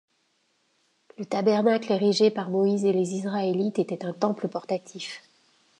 Le tabernacle érigé par Moïse et les Israélites était un temple portatif.